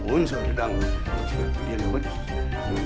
ôi trời tôi đang bị điên lắm đấy